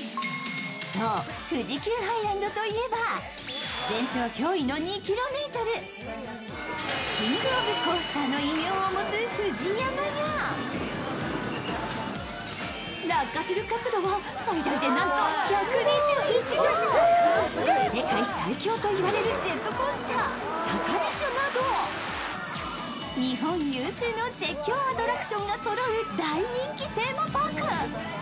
そう、富士急ハイランドといえば全長驚異の２ｋｍ、キング・オブ・コースターの異名を持つＦＵＪＩＹＡＭＡや落下する角度は最大でなんと１２１度世界最恐と言われるジェットコースター、高飛車など日本有数の絶叫アトラクションがそろう大人気テーマパーク。